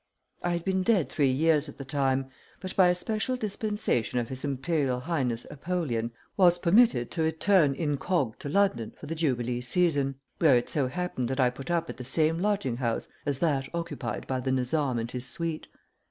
I had been dead three years at the time, but, by a special dispensation of his Imperial Highness Apollyon, was permitted to return incog to London for the jubilee season, where it so happened that I put up at the same lodging house as that occupied by the Nizam and his suite.